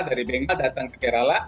dari benga datang ke kerala